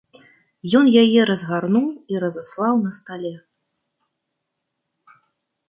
Ён яе разгарнуў і разаслаў на стале.